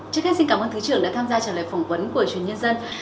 trước khi xin cảm ơn thư trưởng đã tham gia trả lời phỏng vấn của chuyên nhân dân